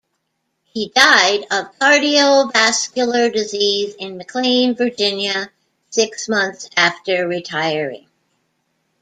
He died of cardiovascular disease in McLean, Virginia six months after retiring.